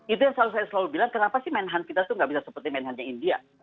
itu yang selalu saya bilang kenapa sih manhunt kita itu enggak bisa seperti manhuntnya india